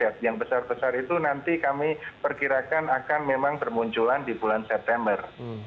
ya yang besar besar itu nanti kami perkirakan akan memang bermunculan di bulan september